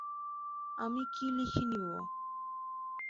আমি কি লিখে নেব?